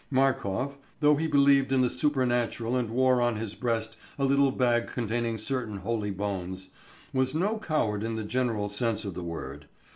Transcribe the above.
Markof, though he believed in the supernatural and wore on his breast a little bag containing certain holy bones, was no coward in the general sense of the word.